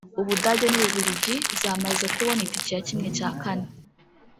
u Budage n’u Bubiligi zamaze kubona itike ya ¼